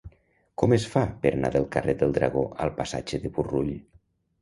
Com es fa per anar del carrer del Dragó al passatge de Burrull?